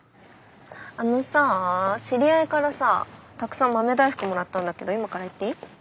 あのさあ知り合いからさたくさん豆大福もらったんだけど今から行っていい？